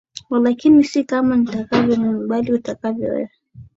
walakini si kama nitakavyo mimi bali utakavyo wewe